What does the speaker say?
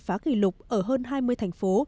phá kỷ lục ở hơn hai mươi thành phố